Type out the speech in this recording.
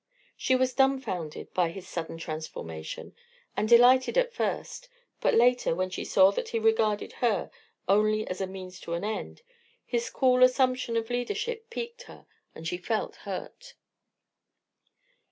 She was dumfounded by his sudden transformation, and delighted at first, but later, when she saw that he regarded her only as a means to an end, his cool assumption of leadership piqued her and she felt hurt.